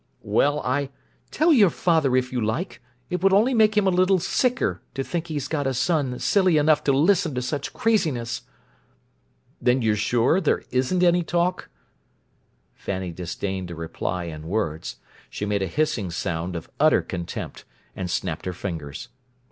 "Well, I—" "Tell your father if you like! It will only make him a little sicker to think he's got a son silly enough to listen to such craziness!" "Then you're sure there isn't any talk?" Fanny disdained a reply in words. She made a hissing sound of utter contempt and snapped her fingers.